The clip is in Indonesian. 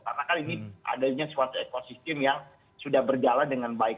karena kan ini adanya suatu ekosistem yang sudah berjalan dengan baik